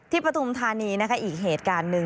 ที่ประธุมธานีอีกเหตุการณ์หนึ่ง